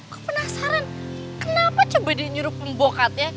kok penasaran kenapa coba dia nyuruh pembokatnya